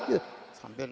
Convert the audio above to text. oh buat mas gibran